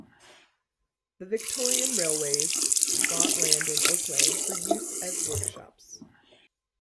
The Victorian railways bought land in Oakleigh for use as workshops.